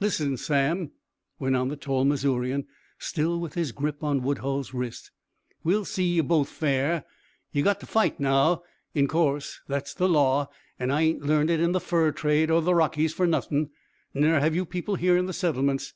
"Listen, Sam," went on the tall Missourian, still with his grip on Woodhull's wrist. "We'll see ye both fair. Ye've got to fight now, in course that's the law, an' I ain't learned it in the fur trade o' the Rockies fer nothin', ner have you people here in the settlements.